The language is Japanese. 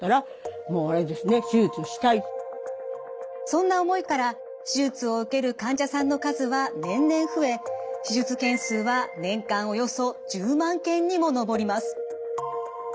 そんな思いから手術を受ける患者さんの数は年々増えにも上ります。